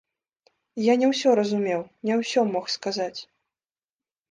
Я не ўсё разумеў, не ўсё мог сказаць.